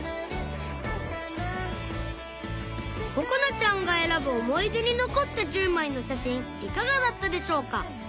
ここなちゃんが選ぶ思い出に残った１０枚の写真いかがだったでしょうか？